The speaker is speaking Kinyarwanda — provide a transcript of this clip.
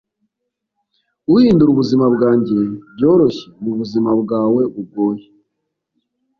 uhindura ubuzima bwanjye byoroshye mubuzima bwawe bugoye